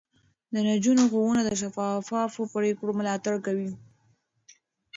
د نجونو ښوونه د شفافو پرېکړو ملاتړ کوي.